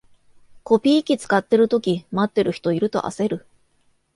コピー機使ってるとき、待ってる人いると焦る